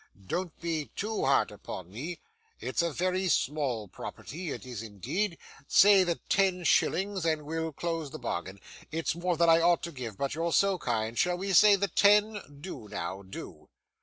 'Don't be too hard upon me. It's a very small property, it is indeed. Say the ten shillings, and we'll close the bargain. It's more than I ought to give, but you're so kind shall we say the ten? Do now, do.